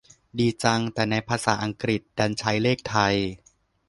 ดีจัง แต่ในภาษาอังกฤษดันใช้เลขไทย